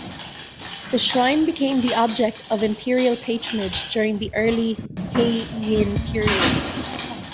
The Shrine became the object of Imperial patronage during the early Heian period.